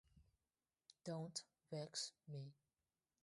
Don’t vex me.